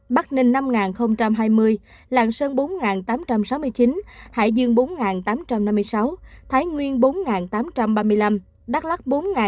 bắc ninh năm hai mươi lạng sơn bốn tám trăm sáu mươi chín hải dương bốn tám trăm năm mươi sáu thái nguyên bốn tám trăm ba mươi năm đắk lắc bốn năm trăm chín mươi hai